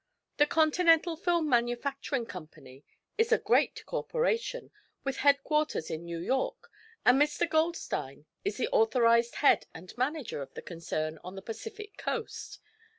The Continental Film Manufacturing Company is a great corporation, with headquarters in New York, and Mr. Goldstein is the authorized head and manager of the concern on the Pacific coast.